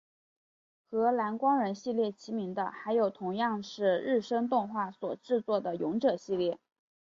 和蓝光人系列齐名的还有同样是日升动画所制作的勇者系列。